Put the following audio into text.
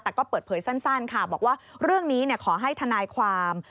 แต่ก็เปิดเผยสั้นค่ะบอกว่าเรื่องนี้ขอให้ทนายความ